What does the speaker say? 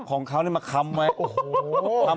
ของเขานี่มาค้ำไว้โอ้โห